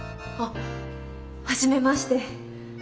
あっはじめまして。